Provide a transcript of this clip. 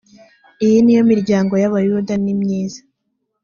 iyo ni yo miryango y abayuda nimyiza